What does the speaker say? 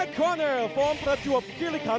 คนนี้มาจากอำเภออูทองจังหวัดสุภัณฑ์บุรีนะครับ